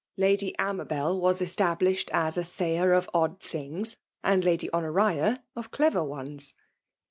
lady Amabel was established as a sayer of odd things, and Lady Honoria of dew ones.